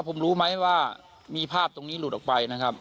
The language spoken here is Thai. ผมรู้ไหมว่ามีภาพตรงนี้หลุดออกไปนะครับ